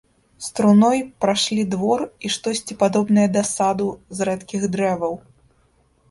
З труною прайшлі двор і штосьці падобнае да саду з рэдкіх дрэваў.